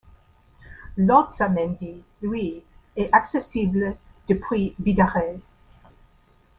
L'Haltzamendi, lui, est accessible depuis Bidarray.